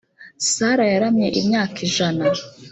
Sara yaramye imyaka ijana